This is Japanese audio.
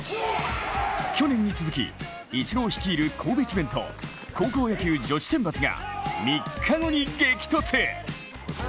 去年に続きイチロー率いるＫＯＢＥＣＨＩＢＥＮと高校野球・女子選抜が３日後に激突。